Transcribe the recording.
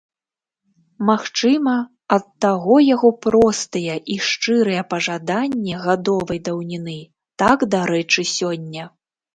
Магчыма, ад таго яго простыя і шчырыя пажаданні гадовай даўніны так дарэчы сёння.